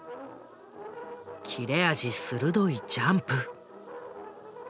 切れ味鋭いジャンプ。